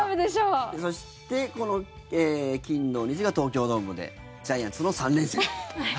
そしてこの金土日が東京ドームでジャイアンツの３連戦。